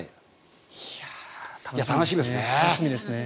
楽しみですね。